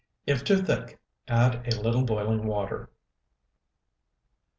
If too thick, add a little boiling water.